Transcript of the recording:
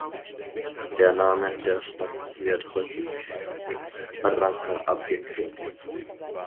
Der Name der Stadt wird häufig mit "Barranca" abgekürzt.